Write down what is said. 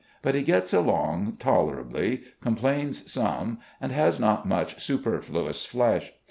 But he gets along tolerably, com plains some, and has not much superfluous flesh.